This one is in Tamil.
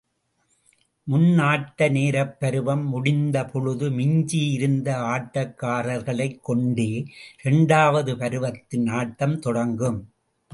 முன் ஆட்ட நேரப்பருவம் முடிந்தபொழுது மிஞ்சி இருந்த ஆட்டக்காரர்களைக் கொண்டே, இரண்டாவது பருவத்தின் ஆட்டம் தொடங்கும்.